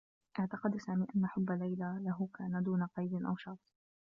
اعتقد سامي أنّ حبّ ليلى له كان دون قيد أو شرط.